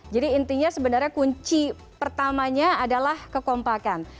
jadi intinya sebenarnya kunci pertamanya adalah kekompakan